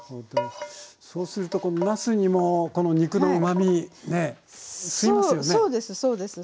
そうするとこのなすにもこの肉のうまみね吸いますよね。